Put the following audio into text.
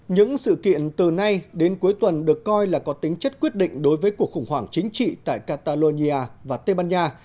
những sự kiện từ nay đến cuối tuần được coi là có tính chất quyết định đối với cuộc khủng hoảng chính trị tại catalonia và tây ban nha